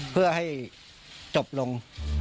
เพื่อให้จบลง